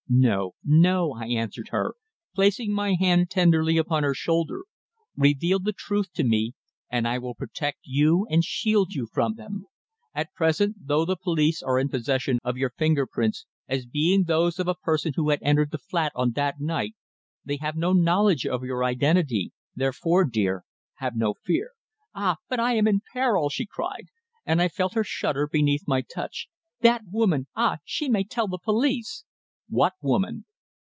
"No, no," I answered her, placing my hand tenderly upon her shoulder. "Reveal the truth to me, and I will protect you and shield you from them. At present, though the police are in possession of your finger prints, as being those of a person who had entered the flat on that night, they have no knowledge of your identity, therefore, dear, have no fear." "Ah! but I am in peril!" she cried, and I felt her shudder beneath my touch. "That woman ah! she may tell the police!" "What woman?"